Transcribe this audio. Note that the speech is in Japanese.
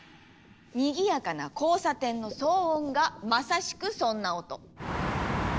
にぎやかな交差点の騒音がまさしくそんな音。